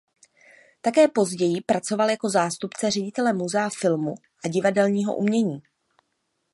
Také později pracoval jako zástupce ředitele Muzea filmu a divadelního umění.